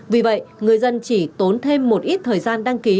vì vậy người dân chỉ tốn thêm một ít thời gian đăng ký